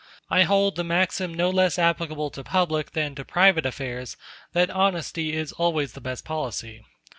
I hold the maxim no less applicable to public than to private affairs, that honesty is always the best policy.